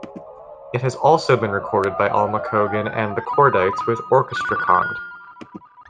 It has also been recorded by Alma Cogan and The Kordites with orchestra cond.